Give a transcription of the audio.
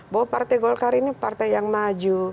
bahwa partai golkar ini partai yang maju